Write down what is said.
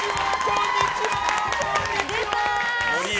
こんにちは！